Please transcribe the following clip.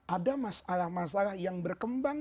ada masalah masalah yang berkembang